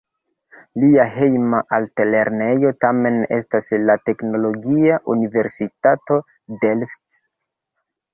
Lia "hejma" altlernejo tamen estas la Teknologia Universitato Delft.